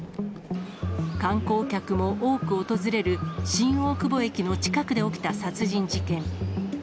観光客も多く訪れる、新大久保駅の近くで起きた殺人事件。